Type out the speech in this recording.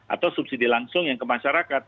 atau subsidi langsung yang ke masyarakat